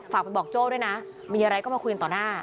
ฝากไปบอกโจ้ด้วยนะมีอะไรก็มาคุยต่อหน้า